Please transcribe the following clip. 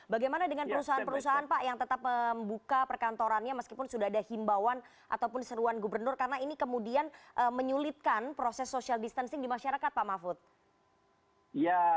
bagaimana dengan perusahaan perusahaan pak yang tetap membuka perkantorannya meskipun sudah ada himbauan ataupun seruan gubernur karena ini kemudian menyulitkan proses social distancing di masyarakat pak mahfud